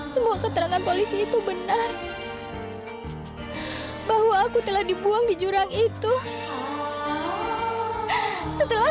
semua keterangan polisi itu benar bahwa aku telah dibuang di jurang itu setelah